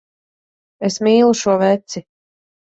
Es mīlu šo veci.